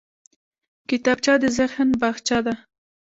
کتابچه د ذهن باغچه ده